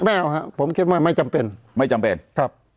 ไม่เอาครับผมคิดว่าไม่จำเป็นไม่จำเป็นครับ